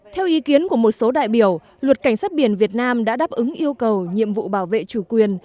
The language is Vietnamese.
theo ý kiến của một số đại biểu luật cảnh sát biển việt nam đã đáp ứng yêu cầu nhiệm vụ bảo vệ chủ quyền